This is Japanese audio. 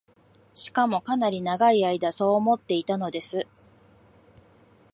しかも、かなり永い間そう思っていたのです